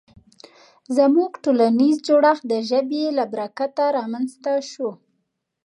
زموږ ټولنیز جوړښت د ژبې له برکته رامنځ ته شو.